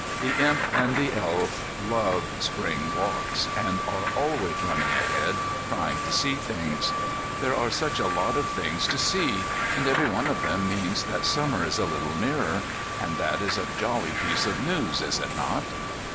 The Imp and the Elf love Spring walks, and are always running ahead trying to see things. There are such a lot of things to see, and every one of them means that Summer is a little nearer. And that is a jolly piece of news, is it not?